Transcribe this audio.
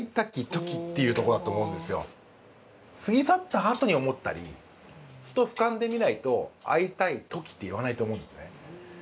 過ぎ去ったあとに思ったりふとふかんで見ないと「逢いたいとき」って言わないと思うんですね。